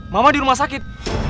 mama di rumah sakit